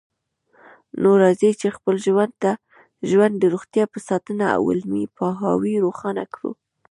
نو راځئ چې خپل ژوند د روغتیا په ساتنه او علمي پوهاوي روښانه کړو